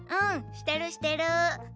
してるしてる。